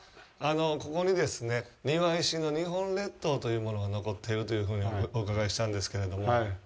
ここに「庭石の日本列島」というものが残っているというふうにお伺いしたんですけれども。